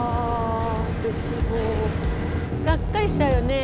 がっかりしちゃうよねえ。